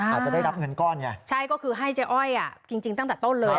อาจจะได้รับเงินก้อนไงใช่ก็คือให้เจ๊อ้อยอ่ะจริงจริงตั้งแต่ต้นเลย